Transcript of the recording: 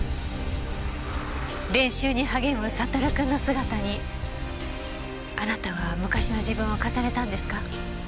練習に励むサトル君の姿にあなたは昔の自分を重ねたんですか？